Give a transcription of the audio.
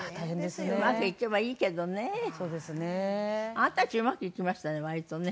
あなたたちうまくいきましたね割とね。